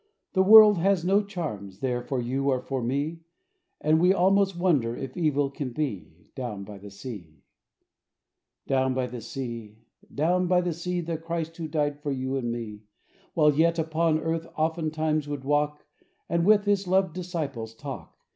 The world has no charms, there, for you or for m And we almost wonder if evil can be Down by the sea Down by the sea — down by the sea, The Christ who died for you and for me, While yet upon earth, ofttimes would walk. And with His loved disciples talk.